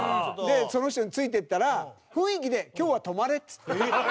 その人についていったら雰囲気で今日は泊まれっつって。